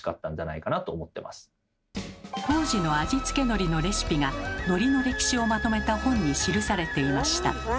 当時の味付けのりのレシピがのりの歴史をまとめた本に記されていました。